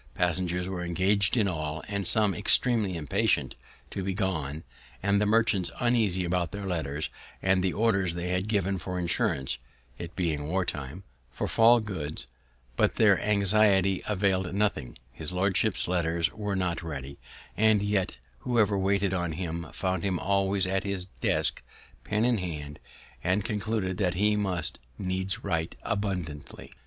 Passengers were engaged in all, and some extremely impatient to be gone, and the merchants uneasy about their letters, and the orders they had given for insurance (it being war time) for fall goods; but their anxiety avail'd nothing; his lordship's letters were not ready; and yet whoever waited on him found him always at his desk, pen in hand, and concluded he must needs write abundantly.